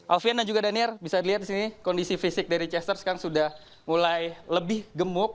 alvian dan juga daniel bisa dilihat di sini kondisi fisik dari chester sekarang sudah mulai lebih gemuk